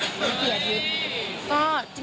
ไม่เปลี่ยน